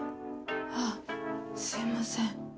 あぁすいません。